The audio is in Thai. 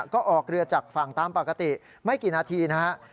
ก็ออกเรือจากฝั่งตามปกติไม่กี่นาทีนะครับ